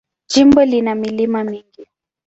Jimbo lina milima mingi.